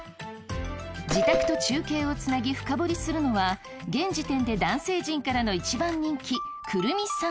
自宅と中継をつなぎ深掘りするのは現時点で男性陣からの一番人気くるみさん。